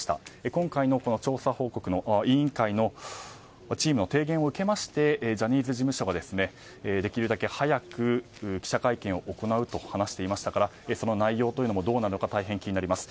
今回の調査報告の委員会のチームの提言を受けましてジャニーズ事務所ができるだけ早く記者会見を行うと話していましたからその内容というのもどうなのか大変気になります。